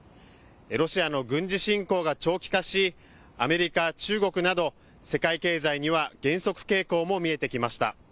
ロシアの軍事侵攻が長期化し、アメリカ、中国など世界経済には減速傾向も見えてきました。